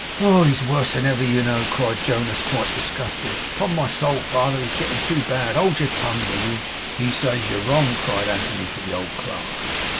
'Oh! He's worse than ever, you know!' cried Jonas, quite disgusted. 'Upon my soul, father, he's getting too bad. Hold your tongue, will you?' 'He says you're wrong!' cried Anthony to the old clerk.